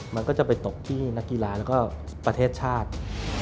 มันก็จะไปตกที่นักกีฬาแล้วก็ประเทศชาติ